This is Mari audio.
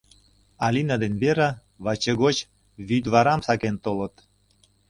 Алина ден Вера ваче гоч вӱдварам сакен толыт.